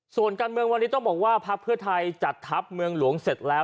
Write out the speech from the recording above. ส่วนการเมืองวันนี้ต้องบอกว่าพักเพื่อไทยจัดทัพเมืองหลวงเสร็จแล้ว